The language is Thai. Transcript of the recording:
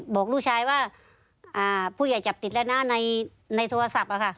บอกลูกชายว่าผู้ใหญ่จับติดแล้วนะในโทรศัพท์